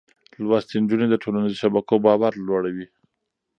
لوستې نجونې د ټولنيزو شبکو باور لوړوي.